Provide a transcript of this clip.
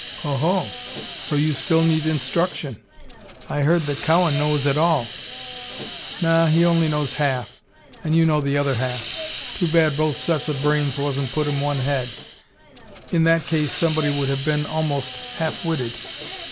"Oh Ho! So you still need instruction? I heard that Cowan knows it all." "Naw, he only knows half, and you know the other half. Too bad both sets of brains wasn't put in one head. In that case somebody would have been almost half witted.